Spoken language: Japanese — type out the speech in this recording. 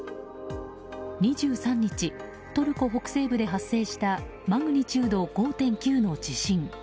２３日、トルコ北西部で発生したマグニチュード５．９の地震。